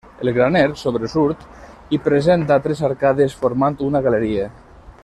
El graner, sobresurt, i presenta tres arcades formant una galeria.